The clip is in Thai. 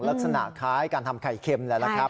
ลักษณะคล้ายการทำไข่เค็มแหละครับ